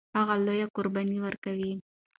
هغه لویه قرباني ورکوي.